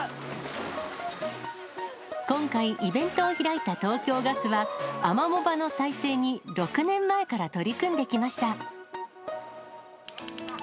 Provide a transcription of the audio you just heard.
今回、イベントを開いた東京ガスは、アマモ場の再生に６年前から取り組んできました。